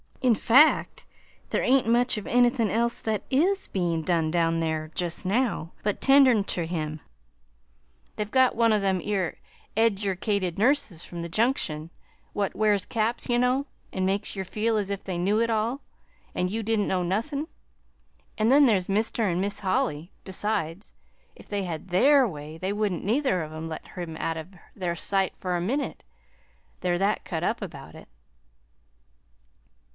In fact, there ain't much of anythin' else that is bein' done down there jest now but, tendin' ter him. They've got one o' them 'ere edyercated nurses from the Junction what wears caps, ye know, an' makes yer feel as if they knew it all, an' you didn't know nothin'. An' then there's Mr. an' Mis' Holly besides. If they had THEIR way, there wouldn't neither of, em let him out o' their sight fur a minute, they're that cut up about it."